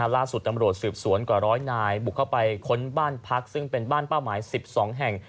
ล่าสุดตำรวจสืบสวนกว่าร้อยนายบุกเข้าไปค้นบ้านพักซึ่งเป็นบ้านเป้าหมาย๑๒แห่ง